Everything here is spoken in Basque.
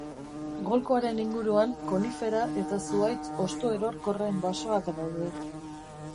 Golkoaren inguruan konifera eta zuhaitz hostoerorkorren basoak daude.